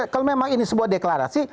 kalau memang ini sebuah deklarasi